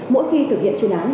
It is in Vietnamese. mỗi khi thực hiện chuyên án